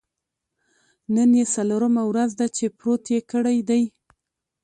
نن یې څلورمه ورځ ده چې پروت یې کړی دی.